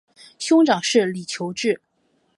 兄长是李袭志。